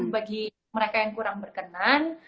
bagi mereka yang kurang berkenan